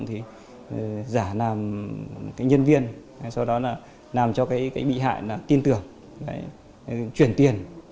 giả làm nhân viên sau đó là làm cho bị hại tin tưởng chuyển tiền